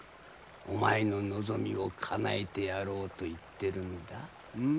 お前の望みをかなえてやろうと言ってるんだ。